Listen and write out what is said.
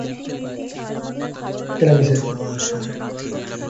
তিনি চিকিৎসাবিজ্ঞান বিভাগের কনিষ্ঠ পদ হতে পদোন্নতিসহ গণিত বিভাগে যোগদান করেন।